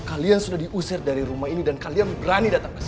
kalian sudah diusir dari rumah ini dan kalian berani datang ke sini